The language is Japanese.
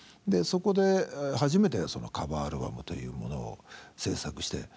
そこで初めてカバーアルバムというものを制作して。